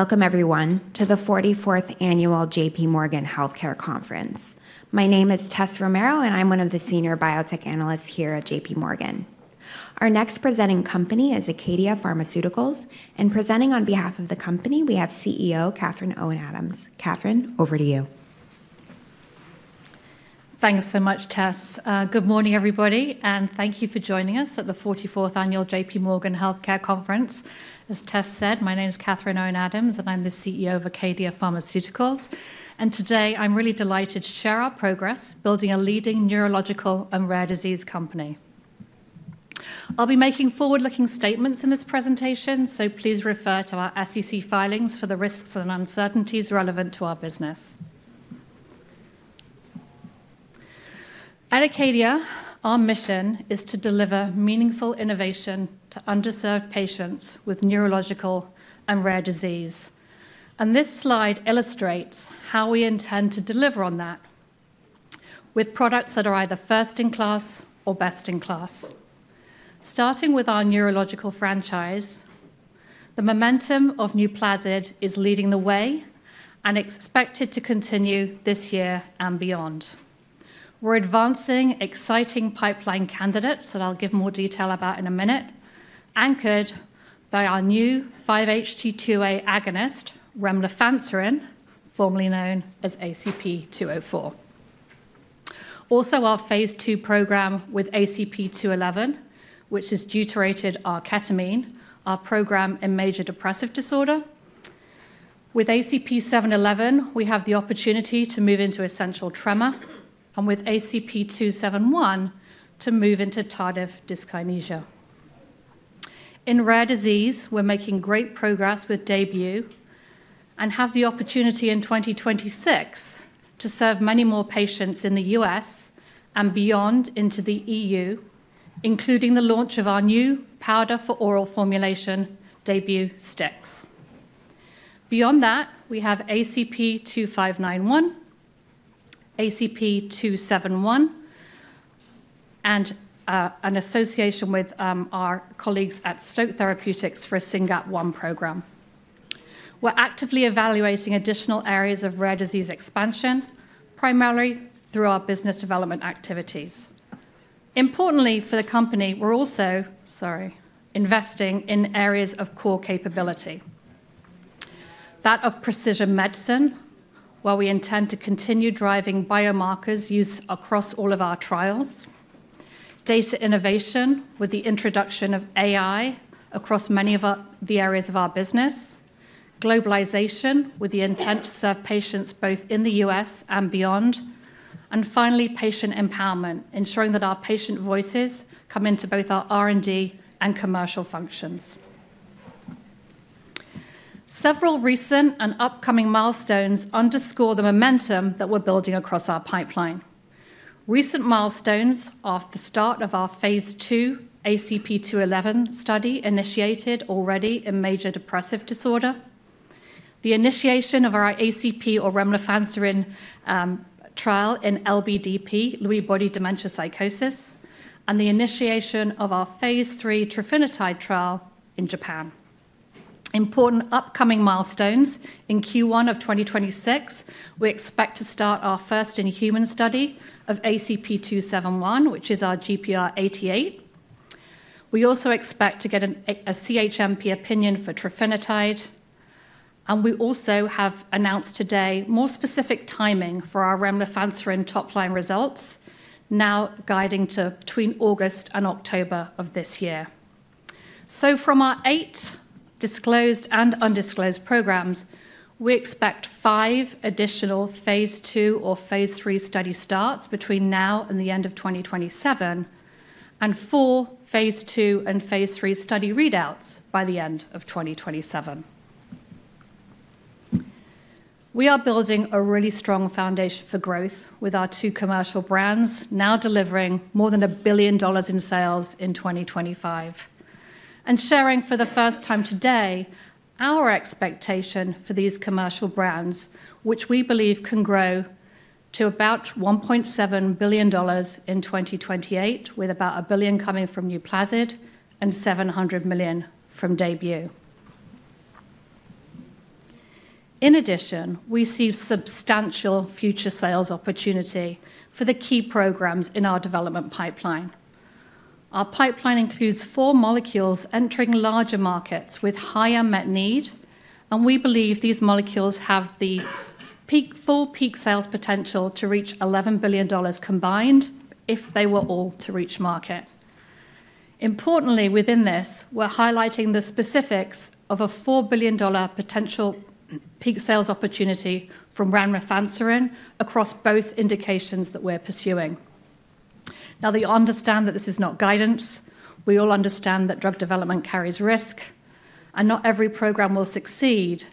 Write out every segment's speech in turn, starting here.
Welcome, everyone, to the 44th Annual JPMorgan Healthcare Conference. My name is Tess Romero, and I'm one of the Senior Biotech Analysts here at JPMorgan. Our next presenting company is ACADIA Pharmaceuticals, and presenting on behalf of the company, we have CEO Catherine Owen Adams. Catherine, over to you. Thanks so much, Tess. Good morning, everybody, and thank you for joining us at the 44th Annual JPMorgan Healthcare Conference. As Tess said, my name is Catherine Owen Adams, and I'm the CEO of ACADIA Pharmaceuticals, and today, I'm really delighted to share our progress building a leading neurological and rare disease company. I'll be making forward-looking statements in this presentation, so please refer to our SEC filings for the risks and uncertainties relevant to our business. At ACADIA, our mission is to deliver meaningful innovation to underserved patients with neurological and rare disease, and this slide illustrates how we intend to deliver on that with products that are either first in class or best in class. Starting with our neurological franchise, the momentum of NUPLAZID is leading the way and expected to continue this year and beyond. We're advancing exciting pipeline candidates that I'll give more detail about in a minute, anchored by our new 5-HT2A agonist, Remlifanserin, formerly known as ACP-204. Also, our phase II program with ACP-211, which has deuterated R-ketamine, our program in major depressive disorder. With ACP-711, we have the opportunity to move into essential tremor, and with ACP-271, to move into tardive dyskinesia. In rare disease, we're making great progress with DAYBUE and have the opportunity in 2026 to serve many more patients in the U.S. and beyond into the EU, including the launch of our new powder-for-oral formulation, DAYBUE STIX. Beyond that, we have ACP-2591, ACP-271, and an association with our colleagues at Stoke Therapeutics for a SYNGAP1 program. We're actively evaluating additional areas of rare disease expansion, primarily through our business development activities. Importantly for the company, we're also investing in areas of core capability: that of precision medicine, where we intend to continue driving biomarkers used across all of our trials, data innovation with the introduction of AI across many of the areas of our business, globalization with the intent to serve patients both in the U.S. and beyond, and finally, patient empowerment, ensuring that our patient voices come into both our R&D and commercial functions. Several recent and upcoming milestones underscore the momentum that we're building across our pipeline. Recent milestones are the start of our phase II ACP-211 study initiated already in major depressive disorder, the initiation of our ACP-204 Lewy body dementia psychosis, and the initiation of our phase III trofinetide trial in Japan. Important upcoming milestones: In Q1 of 2026, we expect to start our first in-human study of ACP-271, which is our GPR88. We also expect to get a CHMP opinion for trofinetide, and we also have announced today more specific timing for our Remlifanserin top-line results, now guiding to between August and October of this year. From our eight disclosed and undisclosed programs, we expect five additional phase II or phase III study starts between now and the end of 2027, and four phase II and phase III study readouts by the end of 2027. We are building a really strong foundation for growth with our two commercial brands, now delivering more than $1 billion in sales in 2025. Sharing for the first time today our expectation for these commercial brands, which we believe can grow to about $1.7 billion in 2028, with about $1 billion coming from NUPLAZID and $700 million from DAYBUE. In addition, we see substantial future sales opportunity for the key programs in our development pipeline. Our pipeline includes four molecules entering larger markets with higher unmet need, and we believe these molecules have the full peak sales potential to reach $11 billion combined if they were all to reach market. Importantly, within this, we're highlighting the specifics of a $4 billion potential peak sales opportunity from Remlifanserin across both indications that we're pursuing. Now, we understand that this is not guidance. We all understand that drug development carries risk, and not every program will succeed,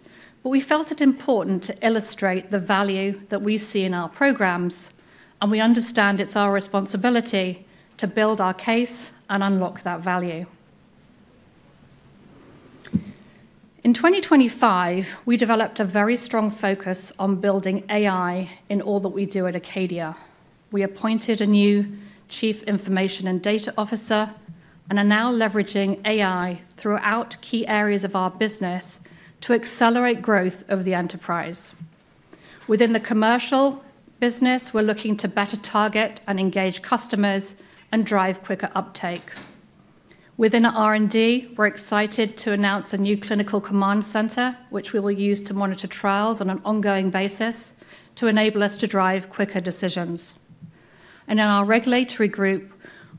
but we felt it important to illustrate the value that we see in our programs, and we understand it's our responsibility to build our case and unlock that value. In 2025, we developed a very strong focus on building AI in all that we do at ACADIA. We appointed a new Chief Information and Data Officer and are now leveraging AI throughout key areas of our business to accelerate growth of the enterprise. Within the commercial business, we're looking to better target and engage customers and drive quicker uptake. Within R&D, we're excited to announce a new clinical command center, which we will use to monitor trials on an ongoing basis to enable us to drive quicker decisions. In our regulatory group,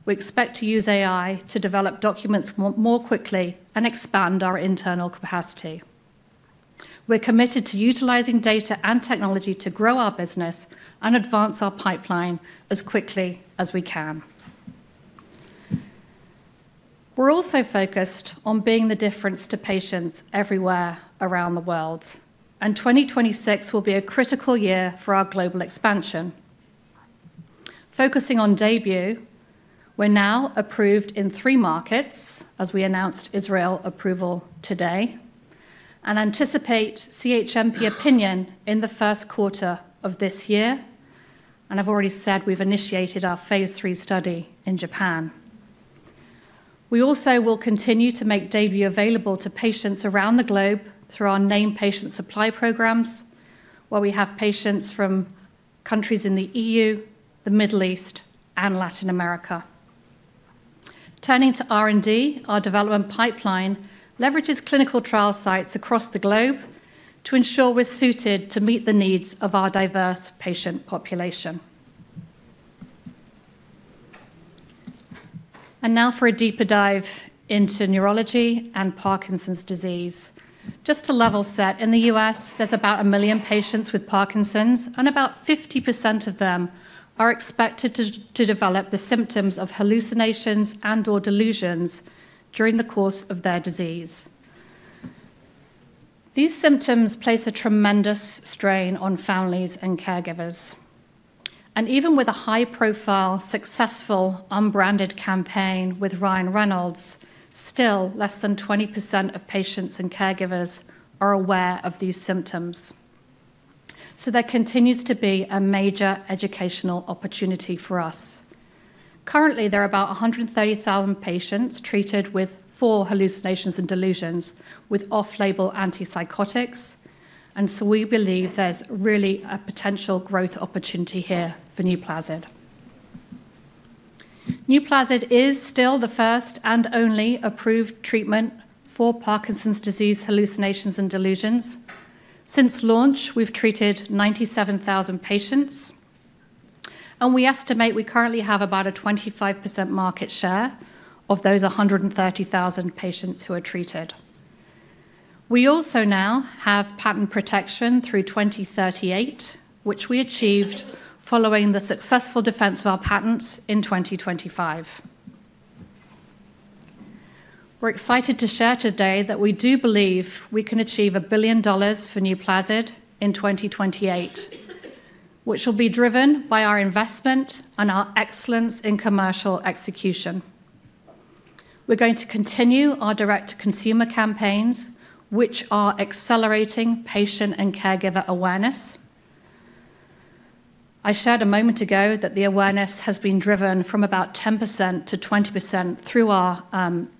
we expect to use AI to develop documents more quickly and expand our internal capacity. We're committed to utilizing data and technology to grow our business and advance our pipeline as quickly as we can. We're also focused on being the difference to patients everywhere around the world, and 2026 will be a critical year for our global expansion. Focusing on DAYBUE, we're now approved in three markets, as we announced Israel approval today, and anticipate CHMP opinion in the first quarter of this year. I've already said we've initiated our phase III study in Japan. We also will continue to make DAYBUE available to patients around the globe through our named patient supply programs, where we have patients from countries in the EU, the Middle East, and Latin America. Turning to R&D, our development pipeline leverages clinical trial sites across the globe to ensure we're suited to meet the needs of our diverse patient population, and now for a deeper dive into neurology and Parkinson's disease. Just to level set, in the U.S., there's about a million patients with Parkinson's, and about 50% of them are expected to develop the symptoms of hallucinations and/or delusions during the course of their disease. These symptoms place a tremendous strain on families and caregivers, and even with a high-profile, successful, unbranded campaign with Ryan Reynolds, still less than 20% of patients and caregivers are aware of these symptoms, so there continues to be a major educational opportunity for us. Currently, there are about 130,000 patients treated for hallucinations and delusions with off-label antipsychotics, and so we believe there's really a potential growth opportunity here for NUPLAZID. NUPLAZID is still the first and only approved treatment for Parkinson's disease, hallucinations, and delusions. Since launch, we've treated 97,000 patients, and we estimate we currently have about a 25% market share of those 130,000 patients who are treated. We also now have patent protection through 2038, which we achieved following the successful defense of our patents in 2025. We're excited to share today that we do believe we can achieve $1 billion for NUPLAZID in 2028, which will be driven by our investment and our excellence in commercial execution. We're going to continue our direct-to-consumer campaigns, which are accelerating patient and caregiver awareness. I shared a moment ago that the awareness has been driven from about 10% to 20% through our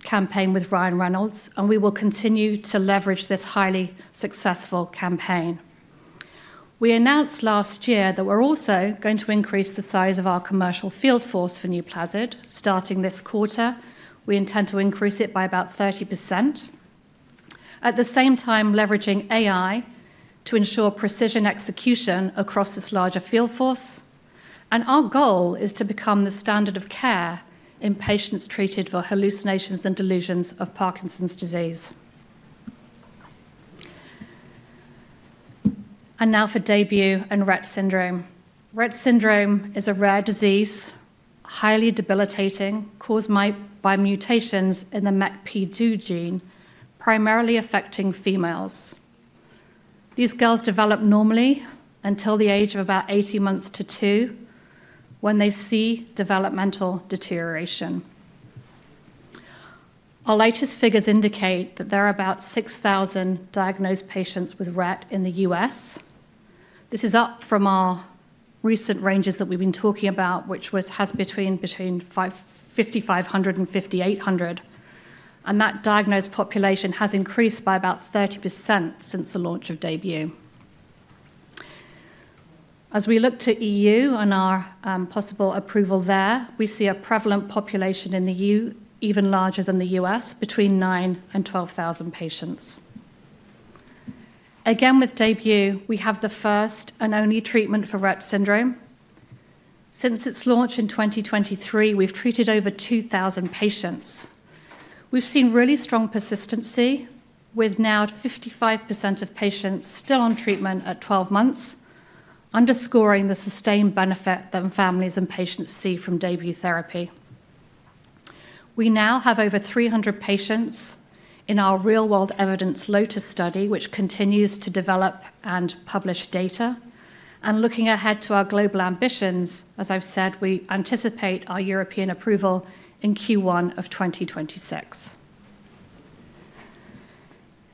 campaign with Ryan Reynolds, and we will continue to leverage this highly successful campaign. We announced last year that we're also going to increase the size of our commercial field force for NUPLAZID. Starting this quarter, we intend to increase it by about 30%, at the same time leveraging AI to ensure precision execution across this larger field force, and our goal is to become the standard of care in patients treated for hallucinations and delusions of Parkinson's disease. Now for DAYBUE and Rett syndrome. Rett syndrome is a rare disease, highly debilitating, caused by mutations in the MECP2 gene, primarily affecting females. These girls develop normally until the age of about 18 months to two when they see developmental deterioration. Our latest figures indicate that there are about 6,000 diagnosed patients with Rett in the U.S. This is up from our recent ranges that we've been talking about, which has been between 5,500 and 5,800. That diagnosed population has increased by about 30% since the launch of DAYBUE. As we look to EU and our possible approval there, we see a prevalent population in the EU, even larger than the U.S., between 9,000-12,000 patients. Again, with DAYBUE, we have the first and only treatment for Rett syndrome. Since its launch in 2023, we've treated over 2,000 patients. We've seen really strong persistency with now 55% of patients still on treatment at 12 months, underscoring the sustained benefit that families and patients see from DAYBUE therapy. We now have over 300 patients in our real-world evidence LOTUS study, which continues to develop and publish data. Looking ahead to our global ambitions, as I've said, we anticipate our European approval in Q1 of 2026.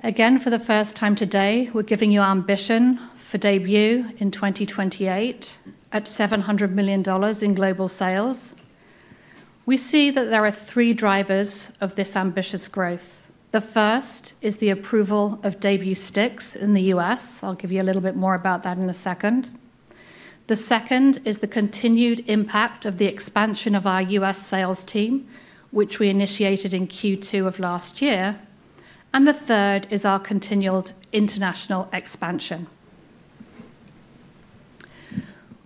Again, for the first time today, we're giving you ambition for DAYBUE in 2028 at $700 million in global sales. We see that there are three drivers of this ambitious growth. The first is the approval of DAYBUE STIX in the U.S. I'll give you a little bit more about that in a second. The second is the continued impact of the expansion of our U.S. sales team, which we initiated in Q2 of last year. And the third is our continued international expansion.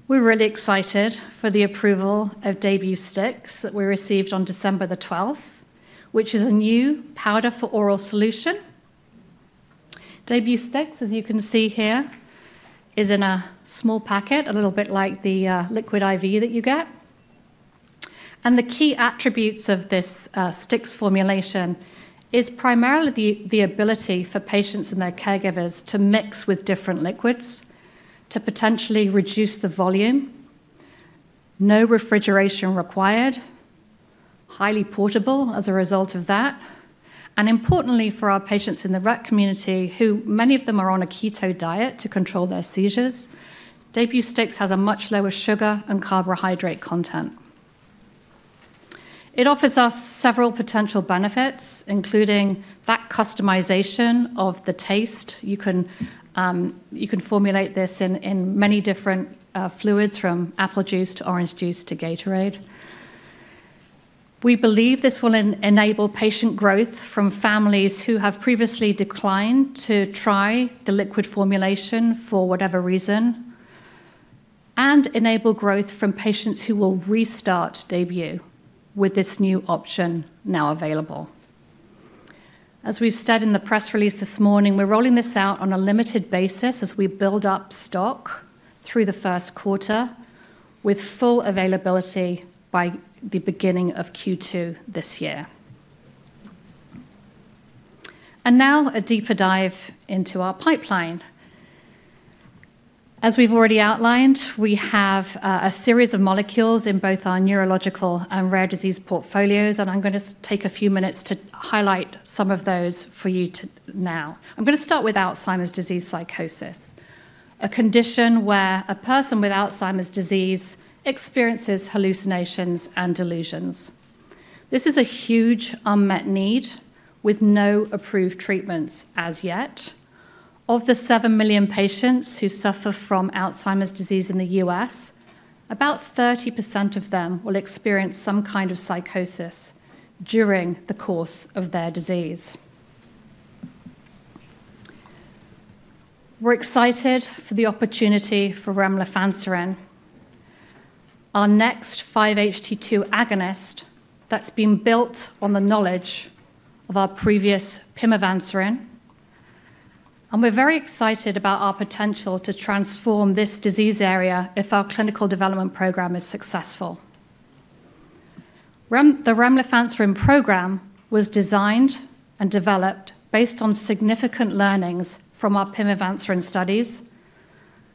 We're really excited for the approval of DAYBUE STIX that we received on December the 12th, which is a new powder-for-oral solution. DAYBUE STIX, as you can see here, is in a small packet, a little bit like the Liquid I.V. that you get. And the key attributes of this STIX formulation are primarily the ability for patients and their caregivers to mix with different liquids to potentially reduce the volume, no refrigeration required, highly portable as a result of that. And importantly, for our patients in the Rett community, many of them are on a keto diet to control their seizures. DAYBUE STIX has a much lower sugar and carbohydrate content. It offers us several potential benefits, including that customization of the taste. You can formulate this in many different fluids, from apple juice to orange juice to Gatorade. We believe this will enable patient growth from families who have previously declined to try the liquid formulation for whatever reason, and enable growth from patients who will restart DAYBUE with this new option now available. As we've said in the press release this morning, we're rolling this out on a limited basis as we build up stock through the first quarter, with full availability by the beginning of Q2 this year. And now a deeper dive into our pipeline. As we've already outlined, we have a series of molecules in both our neurological and rare disease portfolios, and I'm going to take a few minutes to highlight some of those for you now. I'm going to start with Alzheimer's disease psychosis, a condition where a person with Alzheimer's disease experiences hallucinations and delusions. This is a huge unmet need with no approved treatments as yet. Of the seven million patients who suffer from Alzheimer's disease in the U.S., about 30% of them will experience some kind of psychosis during the course of their disease. We're excited for the opportunity for Remlifanserin, our next 5-HT2A agonist that's been built on the knowledge of our previous pimavanserin. And we're very excited about our potential to transform this disease area if our clinical development program is successful. The Remlifanserin program was designed and developed based on significant learnings from our pimavanserin studies,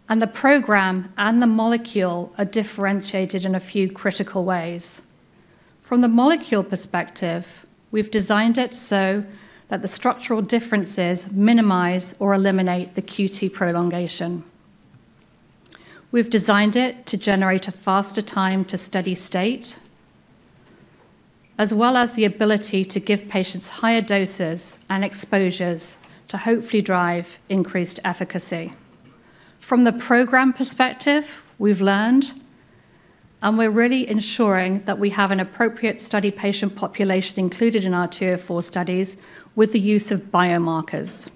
and the program and the molecule are differentiated in a few critical ways. From the molecule perspective, we've designed it so that the structural differences minimize or eliminate the QT prolongation. We've designed it to generate a faster time-to-study state, as well as the ability to give patients higher doses and exposures to hopefully drive increased efficacy. From the program perspective, we've learned, and we're really ensuring that we have an appropriate study patient population included in our two or four studies with the use of biomarkers.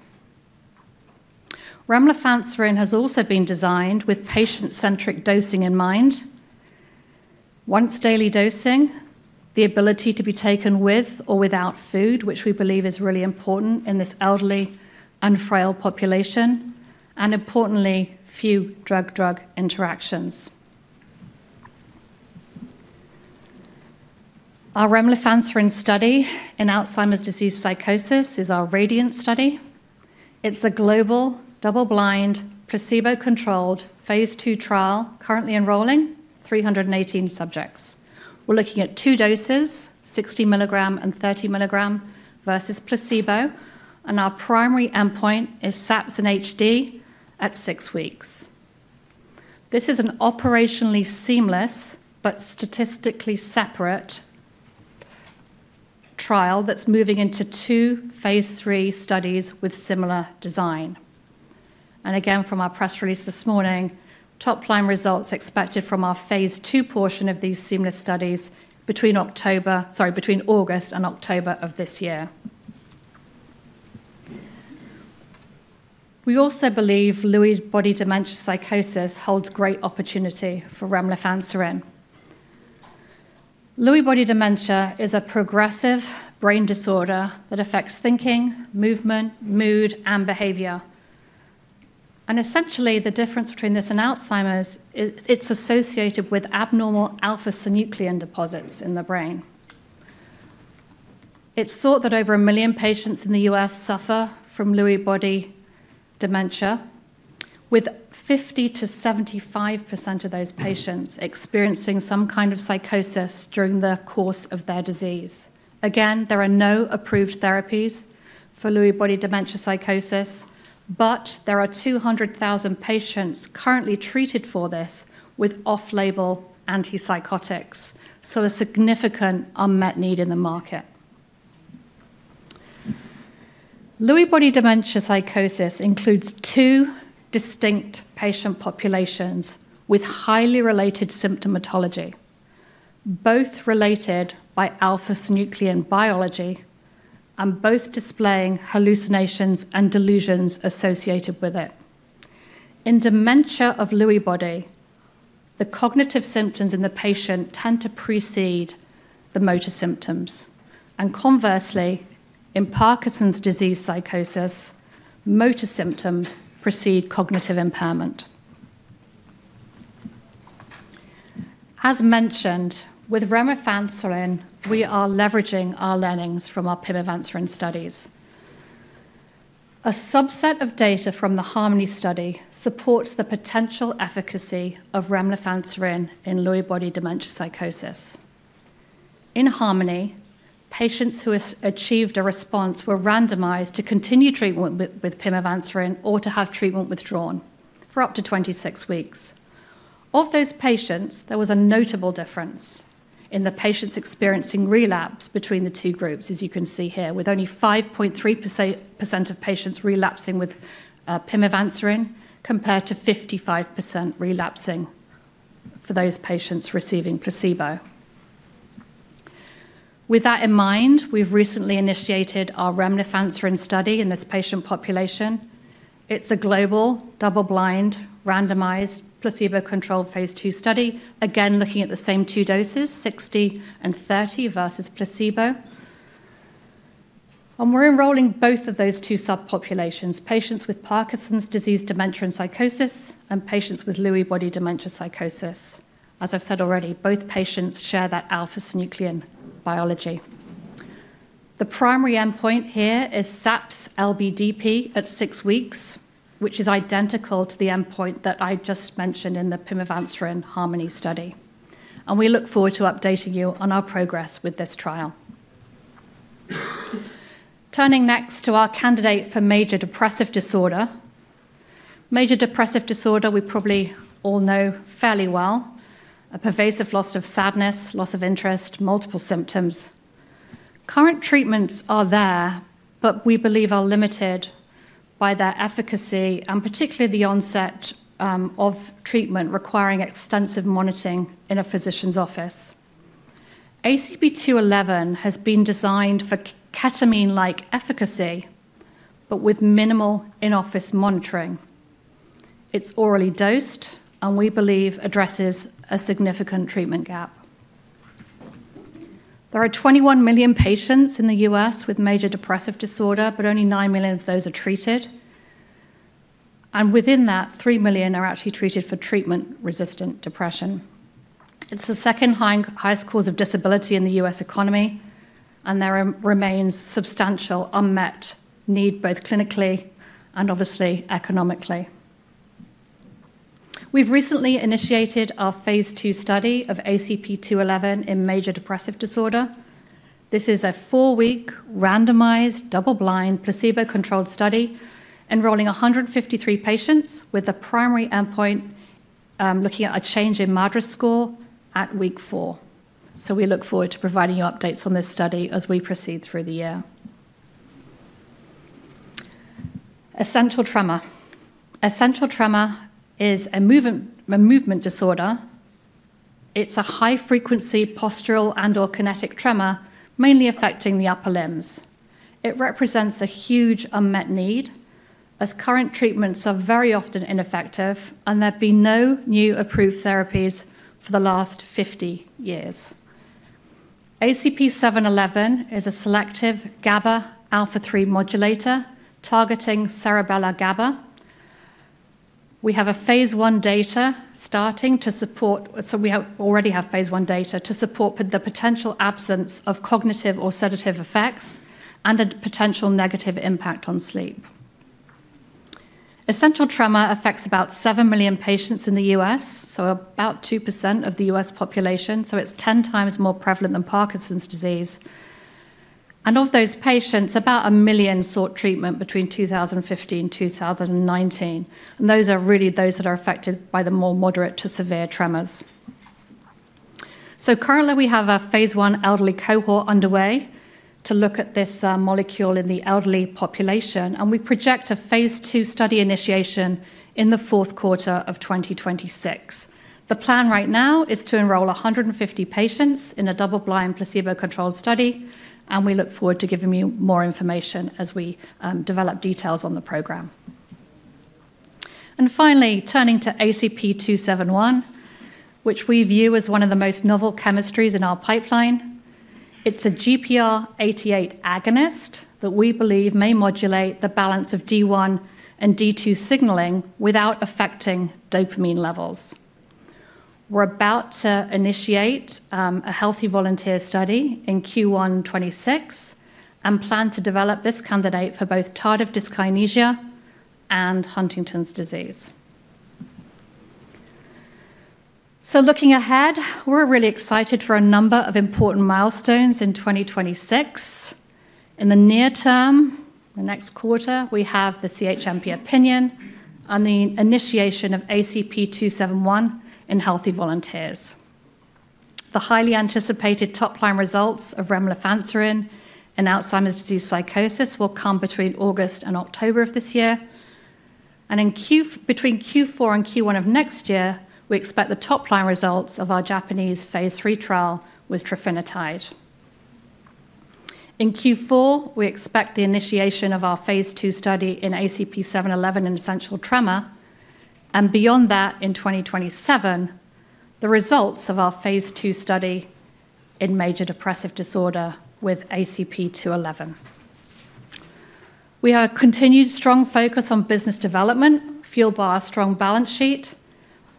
Remlifanserin has also been designed with patient-centric dosing in mind, once-daily dosing, the ability to be taken with or without food, which we believe is really important in this elderly and frail population, and importantly, few drug-drug interactions. Our Remlifanserin study in Alzheimer's disease psychosis is our RADIANT study. It's a global, double-blind, placebo-controlled phase II trial currently enrolling 318 subjects. We're looking at two doses, 60 milligram and 30 milligram versus placebo, and our primary endpoint is SAPS-H+D at six weeks. This is an operationally seamless but statistically separate trial that's moving into two phase III studies with similar design, and again, from our press release this morning, top-line results expected from our phase II portion of these seamless studies between August and October of Lewy body dementia psychosis holds great opportunity for Remlifanserin. Lewy body dementia is a progressive brain disorder that affects thinking, movement, mood, and behavior. And essentially, the difference between this and Alzheimer's is it's associated with abnormal alpha-synuclein deposits in the brain. It's thought that over a million patients in the U.S. suffer from Lewy body dementia, with 50%-75% of those patients experiencing some kind of psychosis during the course of their disease. Again, there Lewy body dementia psychosis, but there are 200,000 patients currently treated for this with off-label antipsychotics, so a significant Lewy body dementia psychosis includes two distinct patient populations with highly related symptomatology, both related by alpha-synuclein biology and both displaying hallucinations and delusions associated with it. In dementia with Lewy body, the cognitive symptoms in the patient tend to precede the motor symptoms. Conversely, in Parkinson's disease psychosis, motor symptoms precede cognitive impairment. As mentioned, with Remlifanserin, we are leveraging our learnings from our pimavanserin studies. A subset of data from the HARMONY study supports the Lewy body dementia psychosis. in harmony, patients who achieved a response were randomized to continue treatment with pimavanserin or to have treatment withdrawn for up to 26 weeks. Of those patients, there was a notable difference in the patients experiencing relapse between the two groups, as you can see here, with only 5.3% of patients relapsing with pimavanserin compared to 55% relapsing for those patients receiving placebo. With that in mind, we've recently initiated our Remlifanserin study in this patient population. It's a global, double-blind, randomized, placebo-controlled phase II study, again looking at the same two doses, 60% and 30% versus placebo. We're enrolling both of those two subpopulations, patients with Parkinson's disease dementia Lewy body dementia psychosis. As i've said already, both patients share that alpha-synuclein biology. The primary endpoint here is SAPS-LBDP at six weeks, which is identical to the endpoint that I just mentioned in the pimavanserin HARMONY study. We look forward to updating you on our progress with this trial. Turning next to our candidate for major depressive disorder. Major depressive disorder, we probably all know fairly well, a pervasive loss of sadness, loss of interest, multiple symptoms. Current treatments are there, but we believe are limited by their efficacy and particularly the onset of treatment requiring extensive monitoring in a physician's office. ACP-211 has been designed for ketamine-like efficacy, but with minimal in-office monitoring. It's orally dosed, and we believe addresses a significant treatment gap. There are 21 million patients in the U.S. with major depressive disorder, but only 9 million of those are treated. Within that, 3 million are actually treated for treatment-resistant depression. It's the second highest cause of disability in the U.S. economy, and there remains substantial unmet need, both clinically and obviously economically. We've recently initiated our phase II study of ACP-211 in major depressive disorder. This is a four-week randomized, double-blind, placebo-controlled study enrolling 153 patients with a primary endpoint looking at a change in MADRS score at week four. We look forward to providing you updates on this study as we proceed through the year. Essential tremor is a movement disorder. It's a high-frequency postural and/or kinetic tremor, mainly affecting the upper limbs. It represents a huge unmet need as current treatments are very often ineffective, and there have been no new approved therapies for the last 50 years. ACP-711 is a selective GABA alpha-3 modulator targeting cerebellar GABA. We have phase I data starting to support, so we already have phase I data to support the potential absence of cognitive or sedative effects and a potential negative impact on sleep. Essential tremor affects about 7 million patients in the U.S., so about 2% of the U.S. population, so it's 10x more prevalent than Parkinson's disease, and of those patients, about a million sought treatment between 2015 and 2019, and those are really those that are affected by the more moderate to severe tremors. Currently, we have a phase I elderly cohort underway to look at this molecule in the elderly population, and we project a phase II study initiation in the fourth quarter of 2026. The plan right now is to enroll 150 patients in a double-blind, placebo-controlled study, and we look forward to giving you more information as we develop details on the program. Finally, turning to ACP-271, which we view as one of the most novel chemistries in our pipeline. It's a GPR88 agonist that we believe may modulate the balance of D1 and D2 signaling without affecting dopamine levels. We're about to initiate a healthy volunteer study in Q1 2026 and plan to develop this candidate for both tardive dyskinesia and Huntington's disease. Looking ahead, we're really excited for a number of important milestones in 2026. In the near term, the next quarter, we have the CHMP opinion on the initiation of ACP-271 in healthy volunteers. The highly anticipated top-line results of Remlifanserin in Alzheimer's disease psychosis will come between August and October of this year. Between Q4 and Q1 of next year, we expect the top-line results of our Japanese phase III trial with trofinetide. In Q4, we expect the initiation of our phase II study in ACP-711 in essential tremor. Beyond that, in 2027, the results of our phase II study in major depressive disorder with ACP-211. We have a continued strong focus on business development fueled by our strong balance sheet,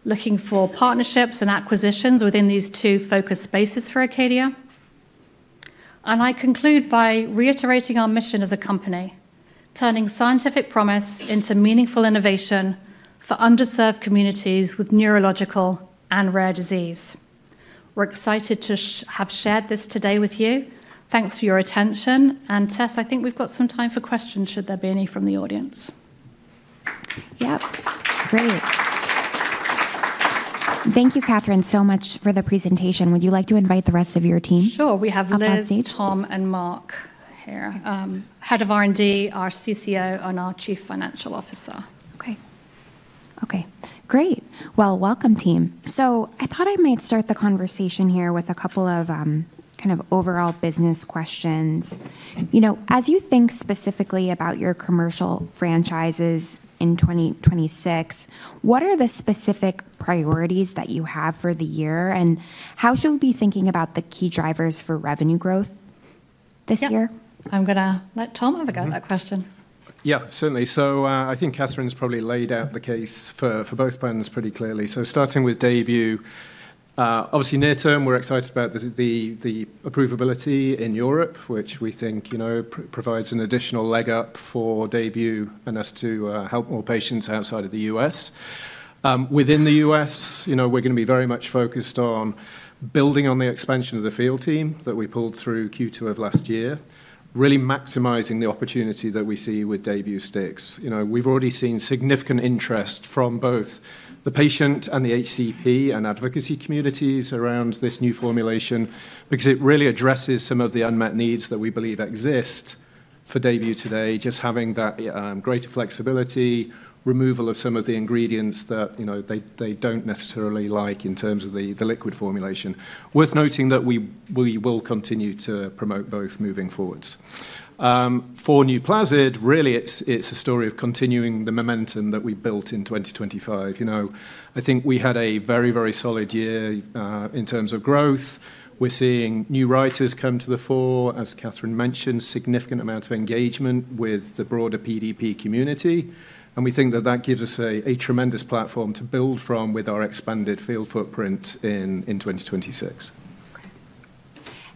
looking for partnerships and acquisitions within these two focus spaces for ACADIA. I conclude by reiterating our mission as a company, turning scientific promise into meaningful innovation for underserved communities with neurological and rare disease. We're excited to have shared this today with you. Thanks for your attention. And Tess, I think we've got some time for questions. Should there be any from the audience? Yep. Brilliant. Thank you, Catherine, so much for the presentation. Would you like to invite the rest of your team? Sure. We have Liz, Tom, and Mark here. Head of R&D, our Chief Commercial Officer, and our Chief Financial Officer. Okay. Okay. Great. Well, welcome, team. So I thought I might start the conversation here with a couple of kind of overall business questions. As you think specifically about your commercial franchises in 2026, what are the specific priorities that you have for the year, and how should we be thinking about the key drivers for revenue growth this year? Yeah. I'm going to let Tom have a go at that question. Yeah, certainly. I think Catherine's probably laid out the case for both brands pretty clearly. Starting with DAYBUE, obviously near term, we're excited about the approvability in Europe, which we think provides an additional leg up for DAYBUE and us to help more patients outside of the U.S.. Within the U.S., we're going to be very much focused on building on the expansion of the field team that we pulled through Q2 of last year, really maximizing the opportunity that we see with DAYBUE STIX. We've already seen significant interest from both the patient and the HCP and advocacy communities around this new formulation because it really addresses some of the unmet needs that we believe exist for DAYBUE today, just having that greater flexibility, removal of some of the ingredients that they don't necessarily like in terms of the liquid formulation. Worth noting that we will continue to promote both moving forward. For NUPLAZID, really, it's a story of continuing the momentum that we built in 2025. I think we had a very, very solid year in terms of growth. We're seeing new writers come to the fore, as Catherine mentioned, significant amounts of engagement with the broader PDP community. And we think that that gives us a tremendous platform to build from with our expanded field footprint in 2026. Okay.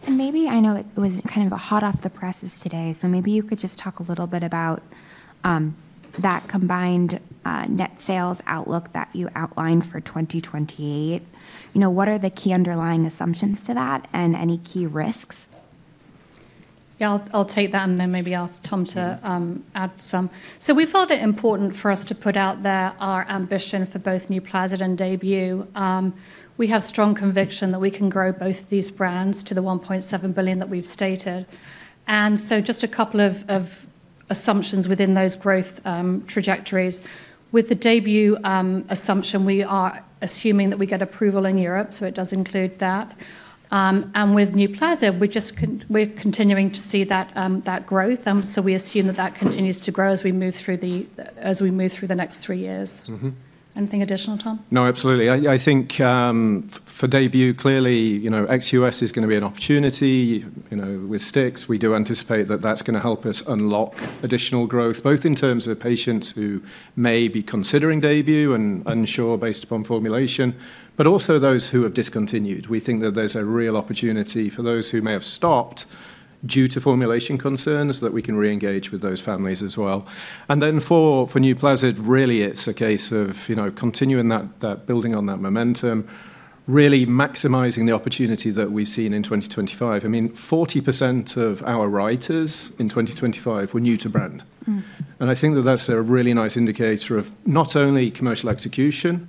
And maybe I know it was kind of a hot off the presses today, so maybe you could just talk a little bit about that combined net sales outlook that you outlined for 2028. What are the key underlying assumptions to that and any key risks? Yeah, I'll take that, and then maybe ask Tom to add some. We felt it important for us to put out there our ambition for both NUPLAZID and DAYBUE. We have strong conviction that we can grow both of these brands to the $1.7 billion that we've stated. And so just a couple of assumptions within those growth trajectories. With the DAYBUE assumption, we are assuming that we get approval in Europe, so it does include that. And with NUPLAZID, we're continuing to see that growth. And so we assume that that continues to grow as we move through the next three years. Anything additional, Tom? No, absolutely. I think for DAYBUE, clearly, ex-US is going to be an opportunity with STIX. We do anticipate that that's going to help us unlock additional growth, both in terms of patients who may be considering DAYBUE and unsure based upon formulation, but also those who have discontinued. We think that there's a real opportunity for those who may have stopped due to formulation concerns that we can re-engage with those families as well. And then for NUPLAZID, really, it's a case of continuing that building on that momentum, really maximizing the opportunity that we've seen in 2025. I mean, 40% of our writers in 2025 were new to brand. And I think that that's a really nice indicator of not only commercial execution,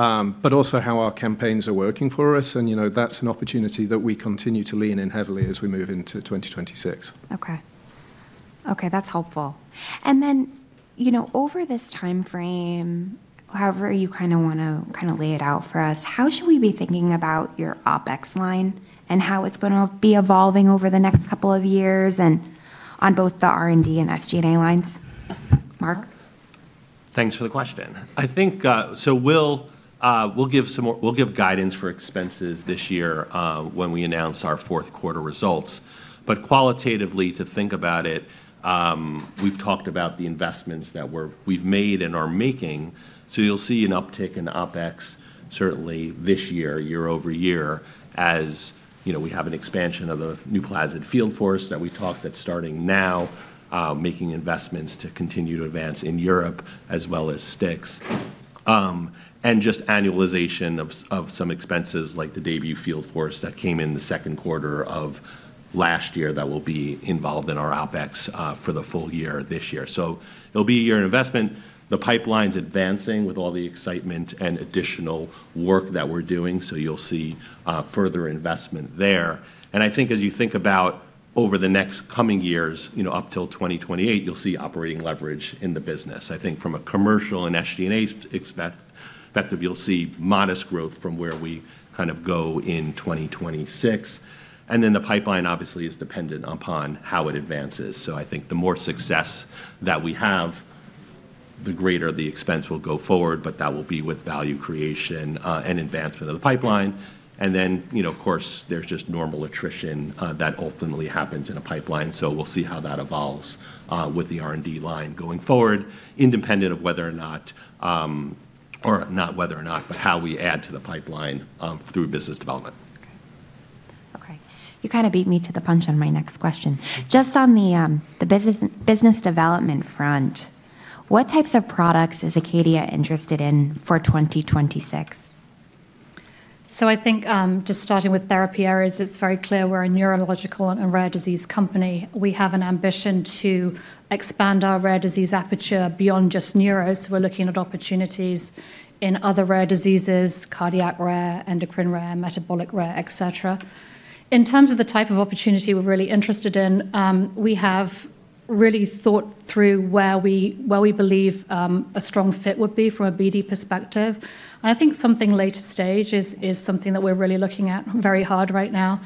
but also how our campaigns are working for us. And that's an opportunity that we continue to lean in heavily as we move into 2026. Okay. Okay, that's helpful. And then over this timeframe, however you kind of want to kind of lay it out for us, how should we be thinking about your OpEx line and how it's going to be evolving over the next couple of years on both the R&D and SG&A lines? Mark? Thanks for the question. I think so we'll give guidance for expenses this year when we announce our fourth quarter results. But qualitatively, to think about it, we've talked about the investments that we've made and are making. So you'll see an uptick in OpEx certainly this year, year over year, as we have an expansion of the NUPLAZID field force that we talked that's starting now, making investments to continue to advance in Europe as well as STIX. Just annualization of some expenses like the DAYBUE field force that came in the second quarter of last year that will be involved in our OpEx for the full year this year. It'll be a year of investment. The pipeline's advancing with all the excitement and additional work that we're doing. You'll see further investment there. I think as you think about over the next coming years, up till 2028, you'll see operating leverage in the business. I think from a commercial and SG&A perspective, you'll see modest growth from where we kind of go in 2026. The pipeline obviously is dependent upon how it advances. I think the more success that we have, the greater the expense will go forward, but that will be with value creation and advancement of the pipeline. And then, of course, there's just normal attrition that ultimately happens in a pipeline. So we'll see how that evolves with the R&D line going forward, independent of whether or not, but how we add to the pipeline through business development. Okay. Okay. You kind of beat me to the punch on my next question. Just on the business development front, what types of products is ACADIA interested in for 2026? So I think just starting with therapeutics, it's very clear we're a neurological and rare disease company. We have an ambition to expand our rare disease aperture beyond just neuro. So we're looking at opportunities in other rare diseases, cardiac rare, endocrine rare, metabolic rare, etc. In terms of the type of opportunity we're really interested in, we have really thought through where we believe a strong fit would be from a BD perspective. And I think something late stage is something that we're really looking at very hard right now.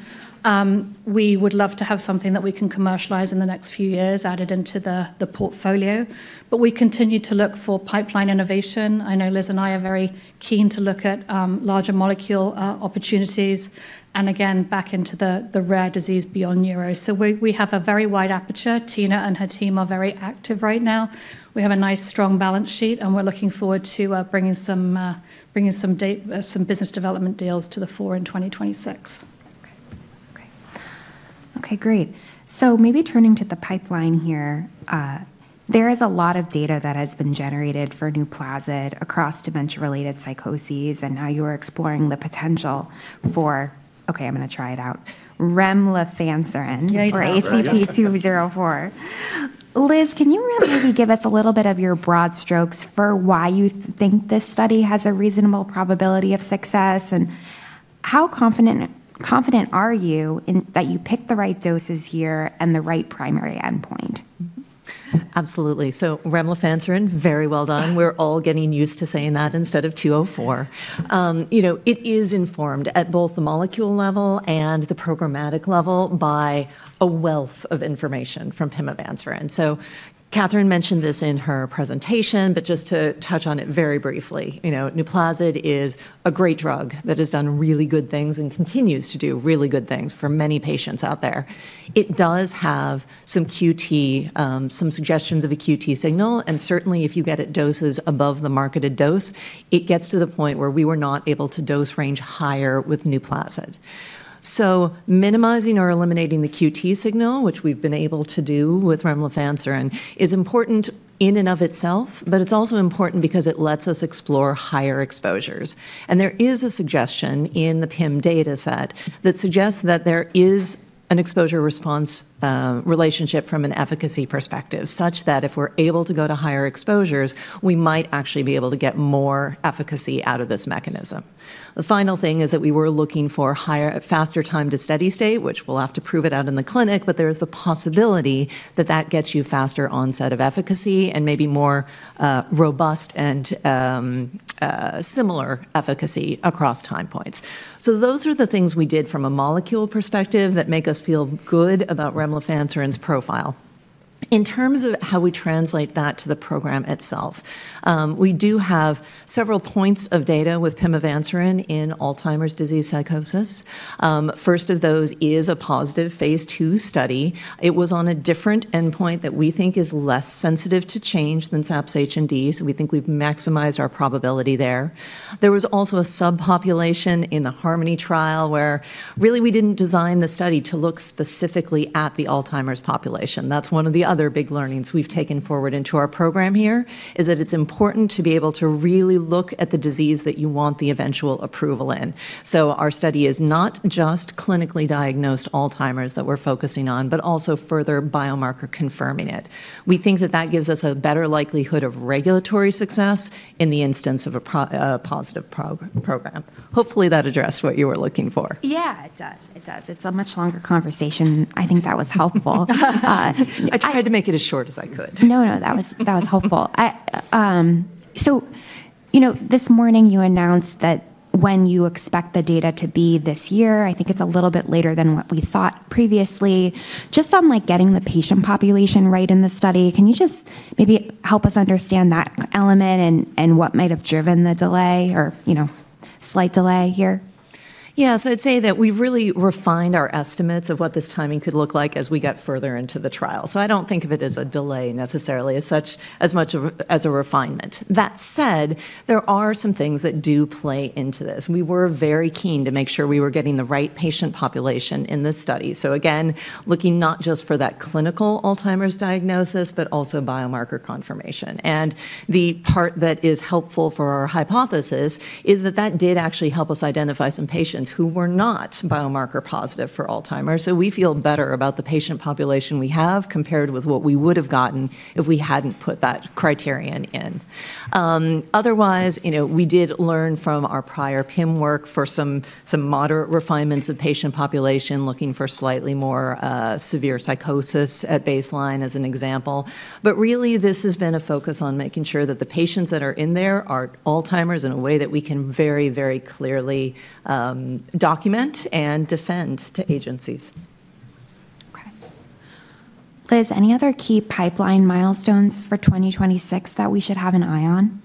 We would love to have something that we can commercialize in the next few years added into the portfolio. But we continue to look for pipeline innovation. I know Liz and I are very keen to look at larger molecule opportunities and again, back into the rare disease beyond neuro. So we have a very wide aperture. Tina and her team are very active right now. We have a nice strong balance sheet, and we're looking forward to bringing some business development deals to the fore in 2026. Okay. Okay. Okay, great. So maybe turning to the pipeline here, there is a lot of data that has been generated for NUPLAZID across dementia-related psychoses. And now you're exploring the potential for, okay, I'm going to try it out, Remlifanserin for ACP-204. Liz, can you maybe give us a little bit of your broad strokes for why you think this study has a reasonable probability of success? And how confident are you that you picked the right doses here and the right primary endpoint? Absolutely. So Remlifanserin, very well done. We're all getting used to saying that instead of 204. It is informed at both the molecule level and the programmatic level by a wealth of information from pimavanserin. So Catherine mentioned this in her presentation, but just to touch on it very briefly, NUPLAZID is a great drug that has done really good things and continues to do really good things for many patients out there. It does have some QT, some suggestions of a QT signal. Certainly, if you get at doses above the marketed dose, it gets to the point where we were not able to dose range higher with NUPLAZID. So minimizing or eliminating the QT signal, which we've been able to do with Remlifanserin, is important in and of itself, but it's also important because it lets us explore higher exposures. And there is a suggestion in the PIM data set that suggests that there is an exposure response relationship from an efficacy perspective, such that if we're able to go to higher exposures, we might actually be able to get more efficacy out of this mechanism. The final thing is that we were looking for a faster time to steady state, which we'll have to prove it out in the clinic, but there is the possibility that that gets you faster onset of efficacy and maybe more robust and similar efficacy across time points. So those are the things we did from a molecule perspective that make us feel good about Remlifanserin's profile. In terms of how we translate that to the program itself, we do have several points of data with pimavanserin in Alzheimer's disease psychosis. First of those is a positive phase II study. It was on a different endpoint that we think is less sensitive to change than SAPS-H+D, so we think we've maximized our probability there. There was also a subpopulation in the HARMONY trial where really we didn't design the study to look specifically at the Alzheimer's population. That's one of the other big learnings we've taken forward into our program here is that it's important to be able to really look at the disease that you want the eventual approval in. So our study is not just clinically diagnosed Alzheimer's that we're focusing on, but also further biomarker confirming it. We think that that gives us a better likelihood of regulatory success in the instance of a positive program. Hopefully, that addressed what you were looking for. Yeah, it does. It does. It's a much longer conversation. I think that was helpful. I tried to make it as short as I could. No, no, that was helpful. So this morning, you announced that when you expect the data to be this year, I think it's a little bit later than what we thought previously. Just on getting the patient population right in the study, can you just maybe help us understand that element and what might have driven the delay or slight delay here? Yeah, so I'd say that we really refined our estimates of what this timing could look like as we got further into the trial. So I don't think of it as a delay necessarily as much as a refinement. That said, there are some things that do play into this. We were very keen to make sure we were getting the right patient population in this study. So again, looking not just for that clinical Alzheimer's diagnosis, but also biomarker confirmation. And the part that is helpful for our hypothesis is that that did actually help us identify some patients who were not biomarker positive for Alzheimer's. So we feel better about the patient population we have compared with what we would have gotten if we hadn't put that criterion in. Otherwise, we did learn from our prior PIM work for some moderate refinements of patient population looking for slightly more severe psychosis at baseline as an example. But really, this has been a focus on making sure that the patients that are in there are Alzheimer's in a way that we can very, very clearly document and defend to agencies. Okay. Liz, any other key pipeline milestones for 2026 that we should have an eye on?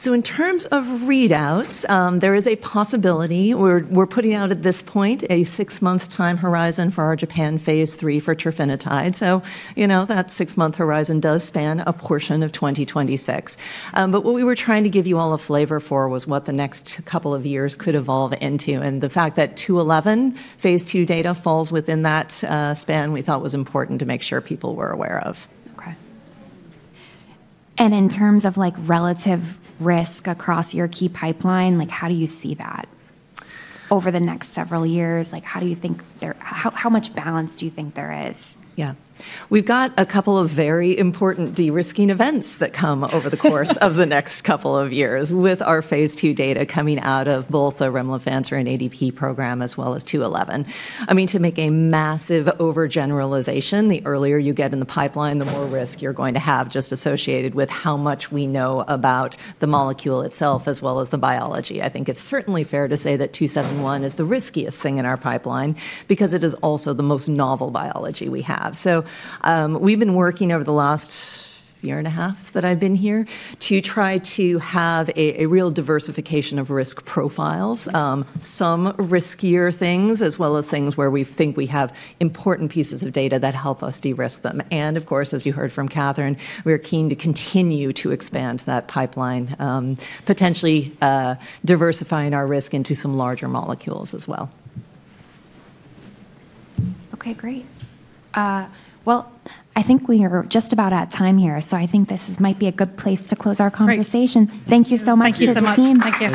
So in terms of readouts, there is a possibility. We're putting out at this point a six-month time horizon for our Japan phase III for trofinetide. So that six-month horizon does span a portion of 2026. But what we were trying to give you all a flavor for was what the next couple of years could evolve into. And the fact that 211 phase II data falls within that span, we thought was important to make sure people were aware of. Okay. And in terms of relative risk across your key pipeline, how do you see that over the next several years? How do you think there how much balance do you think there is? Yeah. We've got a couple of very important de-risking events that come over the course of the next couple of years with our phase II data coming out of both the Remlifanserin ADP program as well as 211. I mean, to make a massive overgeneralization, the earlier you get in the pipeline, the more risk you're going to have just associated with how much we know about the molecule itself as well as the biology. I think it's certainly fair to say that 271 is the riskiest thing in our pipeline because it is also the most novel biology we have. So we've been working over the last year and a half that I've been here to try to have a real diversification of risk profiles, some riskier things as well as things where we think we have important pieces of data that help us de-risk them. And of course, as you heard from Catherine, we are keen to continue to expand that pipeline, potentially diversifying our risk into some larger molecules as well. Okay, great. Well, I think we are just about at time here. So I think this might be a good place to close our conversation. Thank you so much, team. Thank you so much.